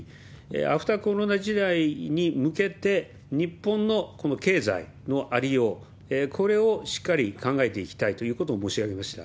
アフターコロナ時代に向けて、日本のこの経済の在りよう、これをしっかり考えていきたいということを申し上げました。